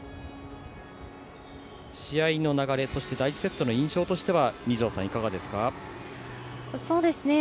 試合の流れそして第１セットの印象としてはいかがですか？